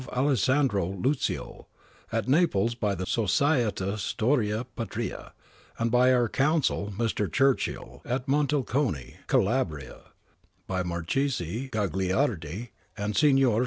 Alessandro Luzio ; at Naples by the Society Storia Patria, and by our Consul, Mr. Churchill ; at Monteleone, Calabria, by Marchese Gaglinrdi and Signor K.